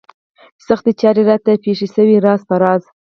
سختې چارې راته پېښې شوې راز په راز.